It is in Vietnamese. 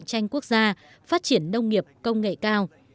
tranh quốc gia phát triển nông nghiệp công nghệ cao